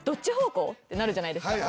ってなるじゃないですか